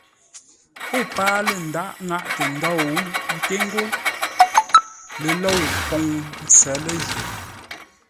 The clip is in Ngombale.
O páa lə́ ńdághʼ ŋáʼtə ńdóu, ńté ńgó ləlôu poŋ ntsə̌ lə́ju.